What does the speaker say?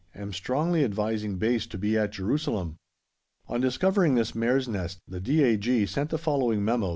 Am strongly advising base to be at Jerusalem." On discovering this mare's nest the D.A.G. sent the following memo.